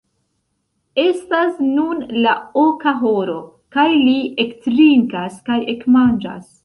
Estas nun la oka horo, kaj li ektrinkas kaj ekmanĝas.